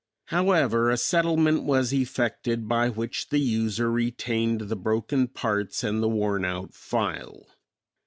However, a settlement was effected by which the user retained the broken parts and the worn out file.